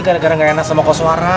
gara gara ga enak sama koswara